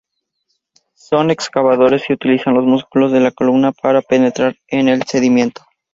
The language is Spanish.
Son excavadores y utilizan los músculos de la columna para penetrar en el sedimento.